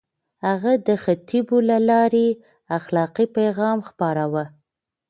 هغه د خطبو له لارې اخلاقي پيغام خپراوه.